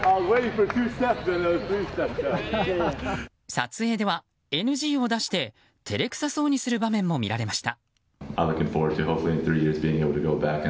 撮影ではＮＧを出して照れくさそうにする場面も見られました。